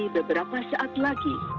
beberapa saat lagi